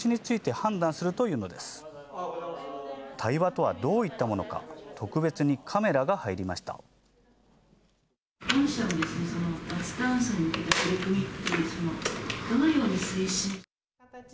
対話とはどういったものなのか、特別にカメラが入りました。